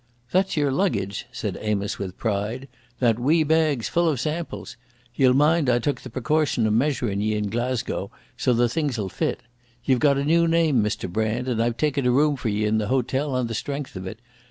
"That's your luggage," said Amos with pride. "That wee bag's full of samples. Ye'll mind I took the precaution of measurin' ye in Glasgow, so the things'll fit. Ye've got a new name, Mr Brand, and I've taken a room for ye in the hotel on the strength of it.